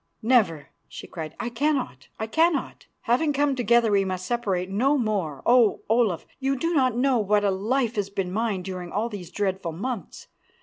"Never," she cried, "I cannot, I cannot. Having come together we must separate no more. Oh! Olaf, you do not know what a life has been mine during all these dreadful months.